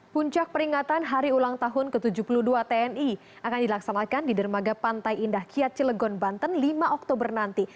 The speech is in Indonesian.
puncak peringatan hari ulang tahun ke tujuh puluh dua tni akan dilaksanakan di dermaga pantai indah kiat cilegon banten lima oktober nanti